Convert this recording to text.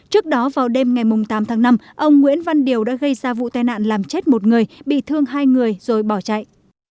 trước đó vào đêm ngày tám tháng năm ông nguyễn văn điều đã gây ra vụ tai nạn làm chết một người bị thương hai người rồi bỏ chạy